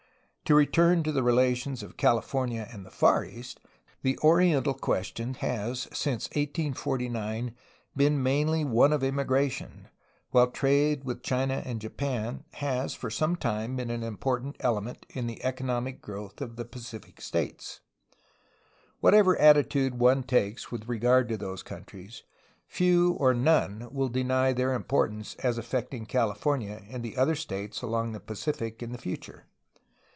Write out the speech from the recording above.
To return to the rela tions of California and the Far East, the oriental question has since 1849 been, mainly, one of immigration, while trade with China and Japan has for some time been an important element in the economic growth of the Pacific states. What ever attitude one takes with regard to those countries, few or none will deny their importance as affecting California and the other states along the Pacific in the future.